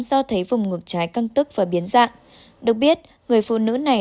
dạng được biết người phụ nữ này